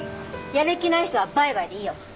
やる気ない人はバイバイでいいよ。